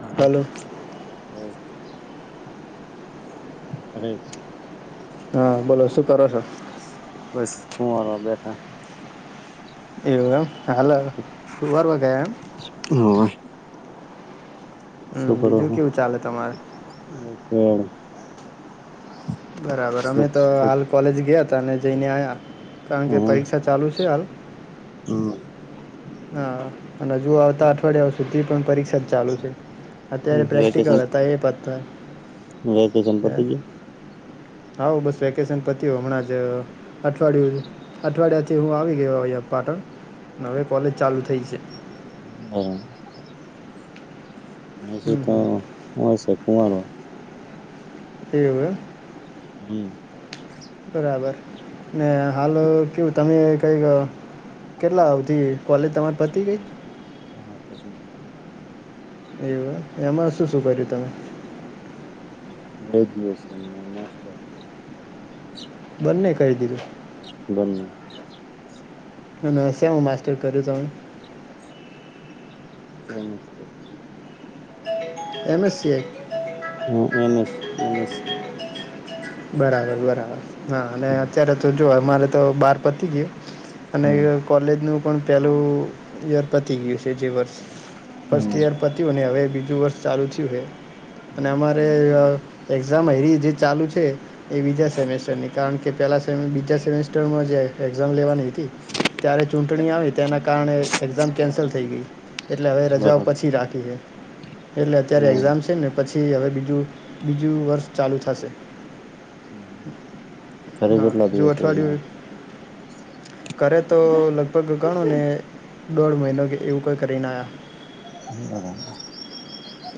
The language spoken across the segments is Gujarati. હા હલો અરે હા બોલો શું કરો છો? બસ શું આવ બેઠા. એવું એમ હાલો શુંરમાં કયા એમ. હ હમ શું કરો બીજું કેવું ચાલે તમારે [unintelligible] બરાબર અમે સુપ તો સુપ હાલ કોલેજ ગયા હતા અને જઈને આવ્યા કારણ કે એમ પરીક્ષા ચાલુ છે હાલ હમ હા અને હજુ આવતા અઠવાડિયા સુધી પણ પરીક્ષા જ ચાલુ છે અત્યારે પ્રેક્ટિકલ વેકેશન હ. તા એ પત્યા. વેકેશન પતી ગયું? હાવ બસ વેકેશન પતયુ હો હમણાં જ અઠવાડિયું અઠવાડિયાથી હું આવી ગયો અહીંયા પાટણ ને હવે કોલેજ ચાલુ થઈ છે. હમમ. હમ નિશિત હમ હશે કુંમાર એવુ એમ હમમ. બરાબર ને હાલ અવે કેવું તમે કઈક કેટલા અવધી કોલેજ તમારે પતી ગઈ. હા પતી ગઈ. એવું એમાં શું શું કર્યું તમે. ગ્રેજ્યુએશન ને માસ્ટર બંને કરી દીધું. બને અને સેમાં માસ્ટર કયુ તમે? [unintelligible] એમ એસ સીઆય હા એમસ, એમસ સી બરાબર બરાબર હા અને હમ અત્યારે તો જો અમારે તો બાર પતી ગયું. અને કોલેજ નું પણ પેલું યર પતી ગયું છે જે વર્ષ ફર્સ્ટ હમ યર પત્યું ને હવે બીજું વર્ષ ચાલુ થીયું હે. અને હમ અમારે એક્ઝામ એવી જે ચાલુ છે એ બીજા સેમેસ્ટરની કારણ કે કે પહેલાં સેમ, બીજા સેમેસ્ટરમાં જે એક્ઝામ લેવાની હતી ત્યારે ચૂંટણી આવે તેના કારણે એક્ઝામ કેન્સલ થઈ ગઈ. એટલે હવે રજાઓ બરાબર પછી રાખી હે એટલે અત્યારે હમ એક્ઝામ છે ને પછી હવે બીજું, બીજું વર્ષ ચાલુ થશે. ઘરે હા કેટલા જો દિવસ રહીને અઠવાડિયુ કરે તો લગભગ ગણો ને દોઢ મહિનો એવું કઈ કરી ને આયા. હમમ.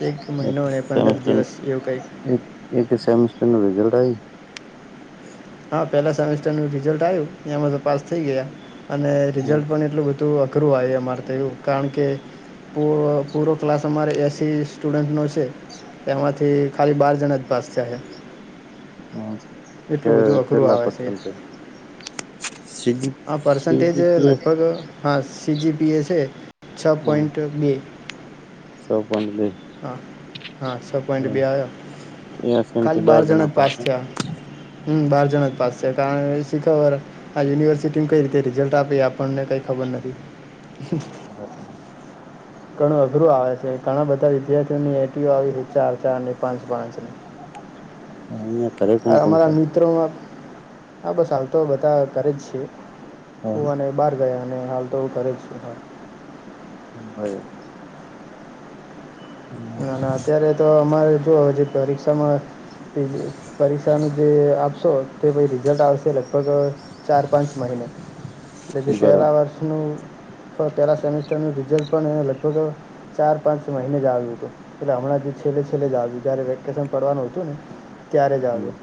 એક મહિનો ને પંદર દિવસ એવું કઈ. એક એક સેમિસ્ટર નું રિઝલ્ટ આયુ. હા પેલા સેમેસ્ટર નું રિઝલ્ટ આયું એમાં તો પાસ થઈ ગયા અને આવ્યું રિઝલ્ટ પણ એટલું બધું થોડું અઘરું આયુ અમારે તો એવું કારણ કે પૂરો ક્લાસ અમારે એસી સ્ટુડન્ટ નો છે એમાંથી ખાલી બાર જણા જ પાસ થીયા હે. હા કે બધું અઘરું કેટલા આવે છે પર્સેન્ટેજ સીજી આ પર્સન્ટેજ સીજીપીએસ લગભગ હા સી જીપી એ છે છ હા પોઈન્ટ બે. છ પોઇન્ટ બે હા હા છ પોઈન્ટ બે આવ્યા એ સેમ થી ખાલી બાર જણા જ પાસ પાસે થીયા. હમમ બાર જણા જ પાસ થીયા કારણ કે શીખવવા વાળા આ યુનિવર્સિટી નું કઈ રીતે રિઝલ્ટ આપે એ આપણને કઈ ખબર નથી. [unintelligible] ઘણું અઘરું આવે છે ઘણા બધા વિદ્યાર્થીઓની એટીઓ આવી છે ચાર, ચાર ની પાંચ, પાંચ. હા અહં ઘરે કોણ કોણ અમારા છે મિત્રોમાં આ બસ હાલ તો બધા ઘરે જ છ હું અને બહાર ગયા અને હાલ તો હું ઘરે જ હા [unintelligible] ના ના અત્યારે તો અમારે જો જે પરીક્ષામાં પરીક્ષાનું જે આપશો તેવુ રિઝલ્ટ આવશે લગભગ ચાર પાંચ મહિને ને જે બરાબર પેલા વર્ષ નું પહેલાં સેમેસ્ટરનું રિઝલ્ટ પણ લગભગ ચાર પાંચ મહિને જ આવ્યું હતું. એટલે હમણાં જે છેલ્લે છેલ્લે જ આવ્યું જયારે વેકેશન પડવાનું હતું ને ત્યારે જ હમ આવ્યું.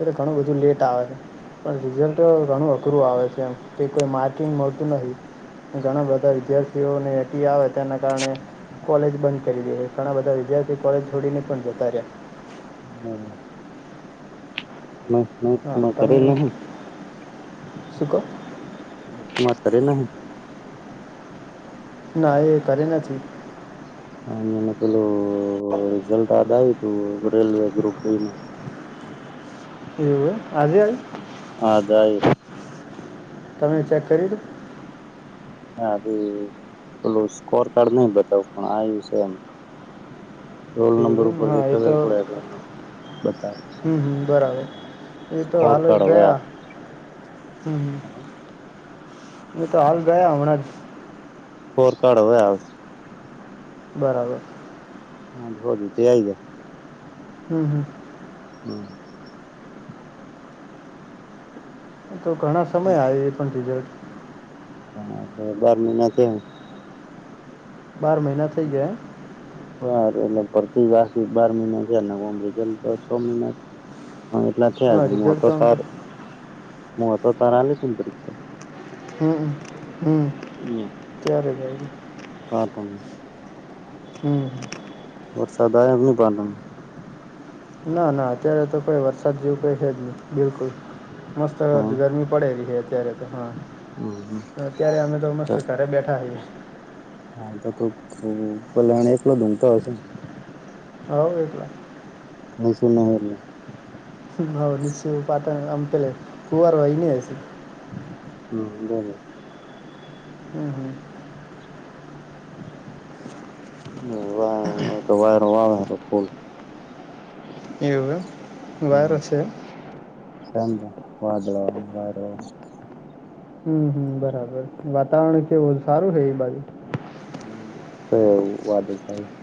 અરે ઘણું બધું લેટ આવે છે. પણ રિઝલ્ટ ઘણું અઘરું આવે છે એમ તે કોઈ માર્કિંગ મળતું નથી. ઘણા બધા વિદ્યાર્થીઓને અટી આવે તેના કારણે કોલેજ બંધ. કરી દે ઘણા બધા વિદ્યાર્થી કોલેજ છોડીને પણ જતા રહ્યા. [unintelligible] [inaudible] હા તમે ઘરે નહી શું કો. માત કરેલા હે ને. ના એ ઘરે નથી. અ એને પેલું રિઝલ્ટ આજ આવ્યું તું રેલવે ગ્રુપ ડી નું. એવું હે આજે આવ્યું. હા આજ આયુ. તમે ચેક કર્યું તું. હ ભી પેલું સ્કોર કાર્ડ નઈ બતાવ પણ આ્યું છે એમ. રોલ નંબર હા ઉપરથી એ ખબર તો પડે રોલ નંબર બતાવે હમ હમ બરાબર. એતો સ્કોર હાલ જ કાર્ડ હવે ગયા હમ. એ તો હાલ ગયા હમણા જ. સ્કોર કાર્ડ હવે આવશે. બરાબર. હા હોદું આઈ જાય. હમ હમ. હમ. તો ઘણા સમય આયુ એ પણ રિઝલ્ટ. હા એટલે બાર મહિના થયા. બાર મહિના થઈ ગયા એમ. બાર એટલે ભરતી પાછી બાર મહિના છે ઓમ એટલે રિઝલ્ટ તો છ મહિના. હા એટલા થયા હા છે હું રિઝલ્ટ તો આમ તાર હું તો તાર આલી તી ને પરીક્ષા. હમ હમ. [inaudible] ત્યારે જ આલી. કો તમી. હમ. વરસાદ આયો ને હું પાટણ. ના ના અત્યારે તો કઈ વરસાદ જેવું કઈ છે જ નહી બિલકુલ. મસ્ત ગરમી પડેલી હે અત્યારે તો હા. હમ. અત્યારે અમે તો મસ્ત ઘરે બેઠા હઈશ. હાલ તો તું પલાણે એકલો ઘૂમતો હશે ને. હ વટલા. નહી શું નાને. હ નિશ્ય પાતા આમકેલે ખુંર વાઈને હ છે. હમ બર. હમ હમ. હવા. [unintelligible] તો વાર વાર ખોલ. એવુ એમ વારો છે એમ. રંદ વાદળા ને વારો. હમ હમ બરાબર વાતાવરણ કેવું સારું છે એ બાજુ. [unintelligible]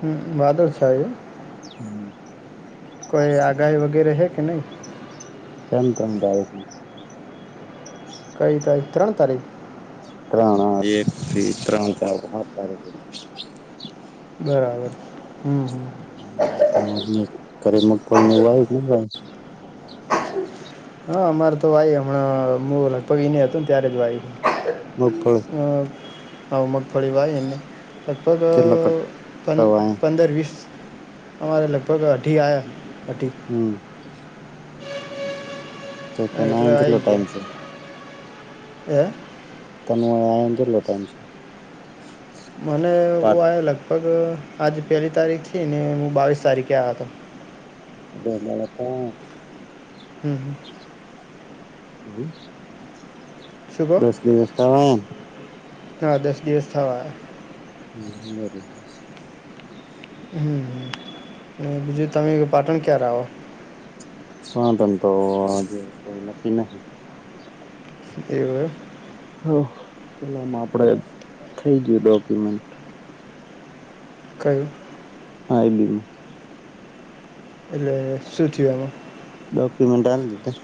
હમ્મ વાદર છે આજે. હમ્મ. કોઈ આગાહી વગેરે હે કે નહી? [unintelligible] કઈ તારીખ ત્રણ તારીખ ત્રણ એકથી ત્રણ ચાર સાત બરાબર. હમ હમ તમારને ઘરે મગફળ ને એવું આવ ને ભાઈ [inaudible] હા અમારે તો વાઈ હમણાં હ લગભગ ઈને હતું ને ત્યારે જ વાય. [unintelligible] આવું મગફળી વાય એને લગભગ કેટલા કટ્ટા વાય પંદર વીસ. અમારે લગભગ અઢી આયા અઢી. હમ્મ. તો તને એટલે આયાને કેટલો આવી ગયા. ટાઈમ છે [unintelligible] મને ઓ પાંચ આ લગભગ આજે પહેલી તારીખથી ને હું બાવીસ તારીખે આ હતો. બ લ તો [unintelligible] હમ હમ. હમ શું કહો દસ દિવસ તમે હા દસ દિવસ થવા આયા. હમ હમ અને બીજું તમે પાટણ ક્યારે આવો. પણ તન તો આજ કોઈ નક્કી નહી. એવું હે. હા પેલાં મા આપડે થઇ ગયું ડોક્યુમેન્ટ કઈ. આ બી યુ ફ. એટલે શું થયું આમાં. ડોક્યુમેન્ટન્ટ આલ દિધા.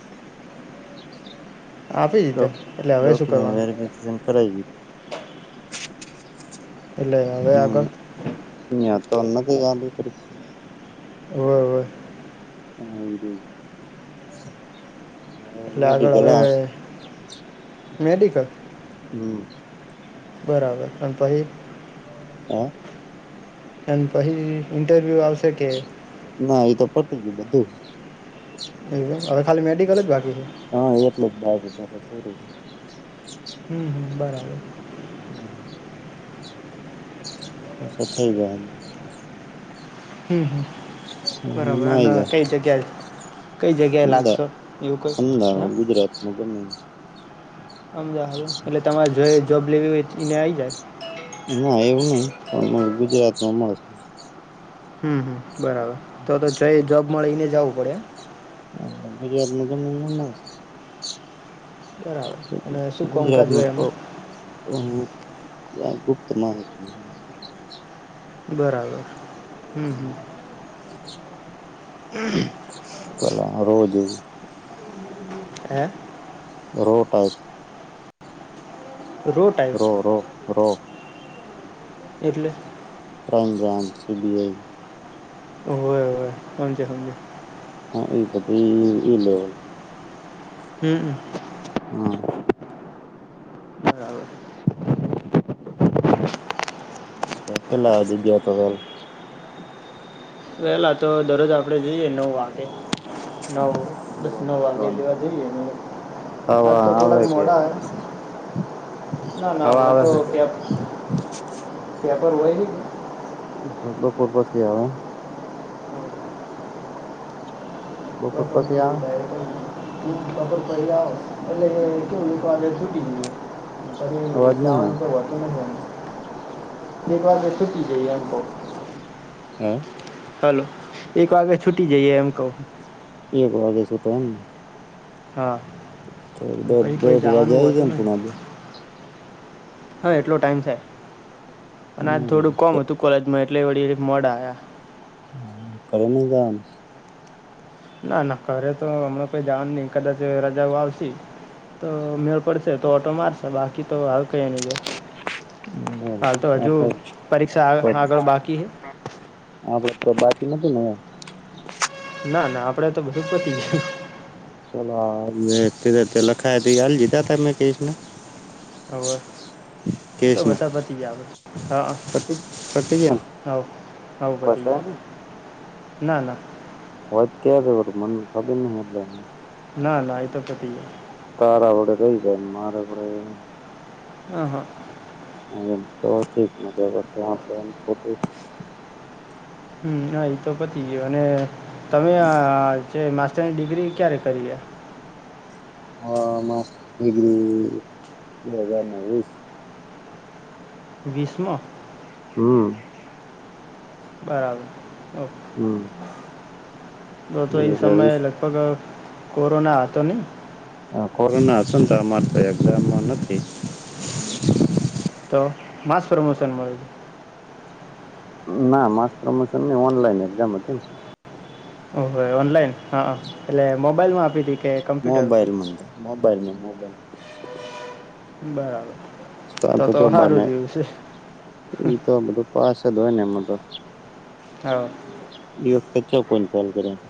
આપી દીધો ડોક એટલે હવે શું ડોક્યુમેન્ટ કરવાનું વેરિફિકેશન કરાયું. એલે હવે આગળ હીયા તો તો ગયા પ હોવે હોવે. હાજી. હ એટલે આગળ હવે મેદીકલાસ મેડિકલ હમ. બરાબર પણ પહી. હો. અન પછી ઇન્ટરવ્યુ આવશે કે. ના એતો પટી ગયું બધું. હવે ખાલી મેડિકલ જ બાકી છે. હા એટલું જ બાજુ પછે પૂરું. હમ બરાબર. હમ. કથે જાવ. હમ હમ બરાબર એમાં અને આઈ જાય કઈ જગ્યા જ. કઈ જગ્યાએ લાગશે એવું કઈ હ. મુખમ [inaudible] અમદાવાદ એટલે તમારે જો જોબ લેવી હોય એને આવી જાય. ના એવું નય પણ ગુજરાતમાં મળશે. હમમ હમમ બરાબર તો તો જઈ જોબ મળીને જવું પડે એમ. હા [unintelligible] બરાબર અને શું ગુજરાત કોમકાજ માં હોય તો એમાં હા ત્યાં ગુપ્ત માહિતી બરાબર. હમ હમ શું? [inaudible] અલા રોજ એ હે, રો ટાઈપ રો ટાઈપ રો-રો-રો એટલે? રામ રામથી બીયે ઓવે ઓવે, પણ તે હમજે હા એ ત પહી ઈ લેવ હમમ. હા. બરાબર પેલા વિડીયો કરવાનું વેલા તો દરરોજ આપડે જઈએ નવ વાગે નવ બસ નવ વાગે લોન પર જેવા જઈએ ને આજ ખાવા તો આવે થોડાક કે મોડા હે ના ના ખાવા અમણાં તો આવે છે કયાર ત્યાં કોઈ હોયની કા બપોર પસી આવે એમ. [inaudible] હા બપોર પછી આવે બપોર પસી આવા એટલે કેવું એક વાગે છૂટી જીએ. પહી અવાજ નહી દાન આવતો તો લેવાનુ. એક વાગે છૂટી જઈએ એમ બપોરે હે, હલો. એક વાગે છૂટી જઈએ એમ કવ. એક વાગે છૂટો એમ ને હા તો દોઢ પહી કઈ દોઢ વાગે જાવાનું આવી જાય હોતું ને નહી. પુણા બે હા, એટલો ટાઈમ છે અને આ થોડું કોમ અતું કોલેજમાં એટલે વળી મોડા આયા. હા, ઘરે ની જાવાના. ના ના ઘરે તો અમણાં કોઈ જાવા ના ની કદાચ રજાઓ આવશે. તો મેળ પડશે તો ઓટો મારશે બાકી તો હાલ કઈ ની જાય. હાલ તો હજુ પરીક્ષા આ આગળ બાકી હૈ. આપડે તો બાકી નોતું ને [inaudible] ના ના આપડે તો બધું પતી‌ ગીયું. ચલો હાલ મે કીધા તે લખાયા તે હાલ લીધા તમે તે રીતના હવે, એ તો કેસને બધા પતી ગીયા હવે, હા. પતિ પતિ ગયા હઉ, હઉ, પતી કશે ગીયું, નહી ના ના. વાત કયારે કરુ મન ખબર નો મલે હે. ના ના એતો પતી ગીયા. તારા વગર રહી જાય મારા પર આવે હા હા. હા, એમ તો ઠીક નેતો રસ્તે આપણે એમ ખોટું હમમ, હા એતો પતી ગીયો અને તમે આ આ જે માસ્ટરની ડિગ્રી ક્યારે કરીએ. હા, માસ્ટર ડિગ્રી બે હજાર ને વીસ વીસ મ હમ્મ બરાબર, ઓક હમ્મ તો તો એ સમયે વીસ લગભગ કોરોના હતો ને હ, કોરોના અતો ને ત અમારે ત એક્ઝામમો નથી. તો માસ પ્રમોશન મળ્યુ ના માસ પ્રમોશન ન ઓનલાઈન એક્ઝામ હતી ને ઓ હો ઓનલાઈન હા એટલે મોબાઈલ માં આપી હતીી કે કમ્પ્યુટર મોબાઈલમાં મોબાઈલમાં મોબાઈલ બરાબર તો જો સારું બને રહ્યું છે તો બધું પાસ જ હોય ને એમાં તો હ એ વખત ચો કોને ખ્યાલ કર્યા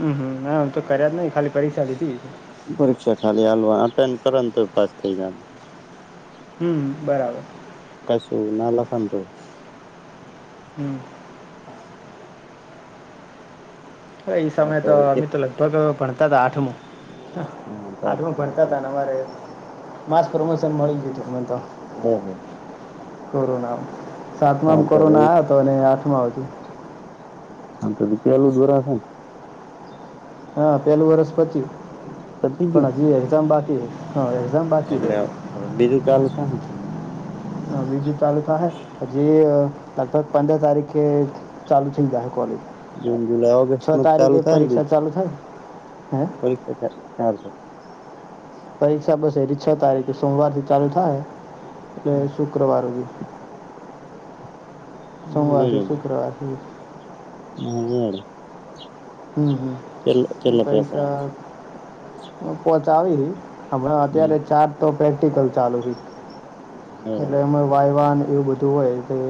હમ હમ હમ તો કર્યા જ નહિ ખાલી પરીક્ષા લીધી પરીક્ષા ખાલી હાલવા અ કર ને તો પાસ થઈ જ હમ બરાબર કશું ના લખ તો હમ્મ હવે એ હા સમય તો હવે અમે એક તો લગભગ ભતા હતા આઠમ હા ત હા આડું ભણતા તને અમારે માસ પ્રમોશન મળી ગયું તું તને તો હ, હ કોરોના સાતમાંમ તો હવે કોરોના એક આવયો હતો અને આઠમાં હતુ. અને તોી પેલું જ બરા હશે ને હા પેલું વરષ પચી પતી ગયું પણ હજી એક્ઝામ બાકી એક્ઝામ બાકી એટલે રહે બીજું ચાલ થને વિીજુ ચાલુ થાય પ જેી લગભગ પંદર તારીખે ચાલુ થઇ ગાય કોલેજ જૂન જુલાઈ છ ઓગસ્ટ માં ચાલુ તારીખે થાય ને પરીક્ષા બીજું ચાલુ થાય. હે પરીક્ષા ચ ચશે પરીક્ષા બસ એથી છ તારીખે સોમવાર થી ચાલુ થાય એટલે શુક્રવારથી, બરોબર સોમવારથી હા શુક્રવારથી [unintelligible] હમ, કેટલા હમ કેટલા પેપર પૈસા આવે પોચ આવીીી હમણા અત્યારે ચાર તો પ્રેક્ટિકલ ચાલુ હ બરાબર એટલે એમાં વાય, વાન એવું બધું હોય કે